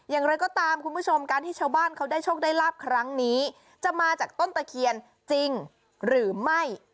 อย่างไรก็ตามคุณผู้ชมการที่ชาวบ้านเขาได้โชคได้ลาบครั้งนี้จะมาจากต้นตะเคียนจริงหรือไม่